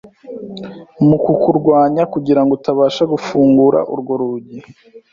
mu ku kurwanya kugira ngo utabasha gufungura urwo rugi,